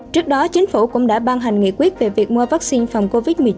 trước đó chính phủ cũng đã ban hành nghị quyết về việc mua vaccine phòng covid một mươi chín